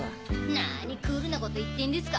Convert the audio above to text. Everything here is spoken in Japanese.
何クールなこと言ってんですか。